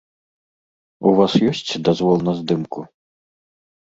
У вас ёсць дазвол на здымку?